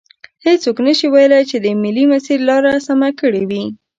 هیڅوک نشي ویلی چې د ملي مسیر لار سمه کړي وي.